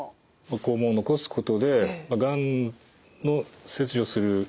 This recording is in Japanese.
肛門を残すことでがんの切除する距離が近づきます。